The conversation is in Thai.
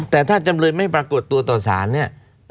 แต่ถ้าจำเลยไม่ปรากฏตัวต่อสารเนี่ย